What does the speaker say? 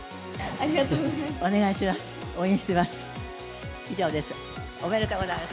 ありがとうございます。